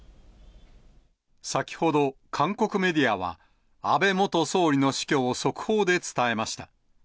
先ほど、韓国メディアは安倍元総理の死去を速報で伝えました。